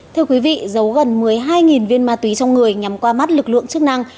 thưa quý vị giấu gần một mươi hai viên ma túy trong người nhằm qua mắt lực lượng chức năng